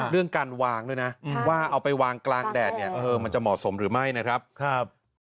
เรื่องการวางด้วยนะว่าเอาไปวางกลางแดดเนี่ยเออมันจะเหมาะสมหรือไม่นะครับ